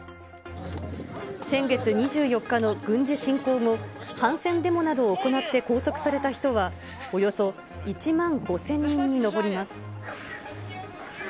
先月２４日の軍事侵攻後、反戦デモなどを行って拘束された人は、およそ１万５０００人に上ります。